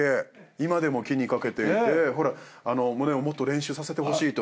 今でも気に掛けていて百音をもっと練習させてほしいと。